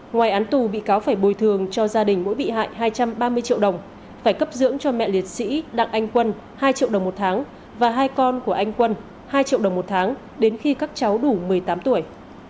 ngoài án tù bị cáo phải bồi thường cho gia đình mỗi bị hại hai trăm ba mươi triệu đồng phải cấp dưỡng cho mẹ liệt sĩ đặng anh quân hai triệu đồng một tháng và hai con của anh quân hai triệu đồng một tháng đến khi các cháu đủ một mươi tám tuổi